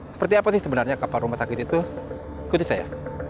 seperti apa sih sebenarnya kapal rumah sakit itu ikuti saya